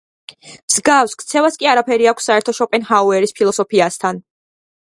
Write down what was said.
მსგავს ქცევას კი არაფერი აქვს საერთო შოპენჰაუერის ფილოსოფიასთან.